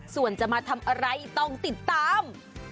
ส่วนจะมาทำอะไรต้องติดตาม